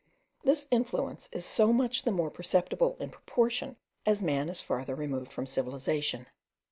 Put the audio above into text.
This influence is so much the more perceptible in proportion as man is farther removed from civilization.